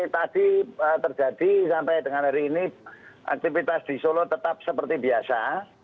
jadi terjadi sampai dengan hari ini aktivitas di solo tetap seperti biasa